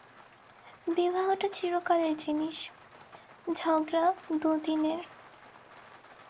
বিবাহটা চিরকালের জিনিস, ঝগড়া দুদিনের।